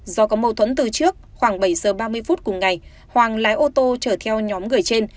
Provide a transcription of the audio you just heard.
do có mâu thuẫn từ trước khoảng bảy giờ ba mươi phút cùng ngày hoàng lái ô tô chở theo nhóm người trên